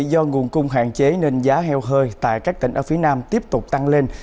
do nguồn cung hạn chế nên giá heo hơi tại các tỉnh ở phía nam tiếp tục tăng lên